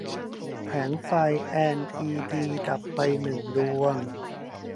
แผงไฟแอลอีดีดับไปหนึ่งดวง